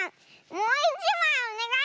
もういちまいおねがい！